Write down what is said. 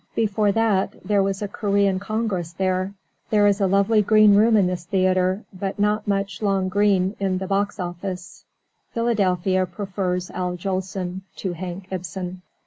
Before that, there was a Korean congress there. There is a lovely green room in this theatre, but not much long green in the box office. Philadelphia prefers Al Jolson to Hank Ibsen.